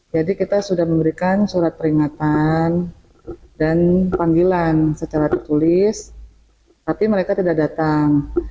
jadi kita sudah memberikan surat peringatan dan panggilan secara tertulis tapi mereka tidak datang